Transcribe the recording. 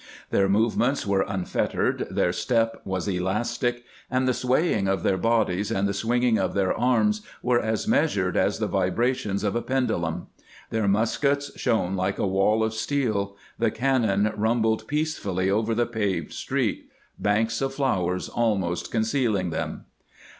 Their movements were unfettered, their step was elastic, 508 CAMPAIGNING WITH GRANT and the swaying of their bodies and the swinging of their arms were as measured as the vibrations of a pendulum. Their muskets shone like a wall of steel. The cannon rumbled peacefully over the paved street, banks of flowers almost concealing them.